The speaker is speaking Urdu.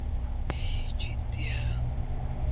سچائی ہی جیتتی ہے